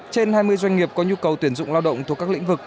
trên hai mươi doanh nghiệp có nhu cầu tuyển dụng lao động thuộc các lĩnh vực